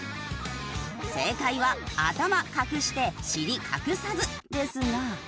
正解は「頭隠して尻隠さず」ですが。